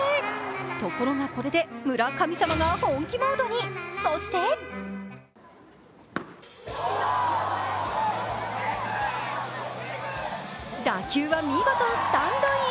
ところがこれで村神様が本気モードに、そして打球は見事スタンドイン。